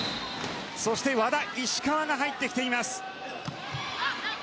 そして和田、石川が入っています。